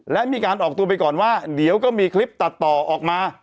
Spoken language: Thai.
และมีการออกตัวไปก่อนว่าเดี๋ยวก็มีคลิปตัดต่อออกมา